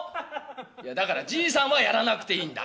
「いやだからじいさんはやらなくていいんだ」。